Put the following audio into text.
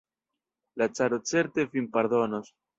La caro certe vin pardonos!